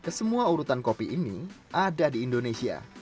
kesemua urutan kopi ini ada di indonesia